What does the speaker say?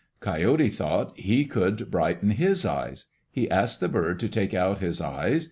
Coyote thought he could brighten his eyes. He asked the bird to take out his eyes.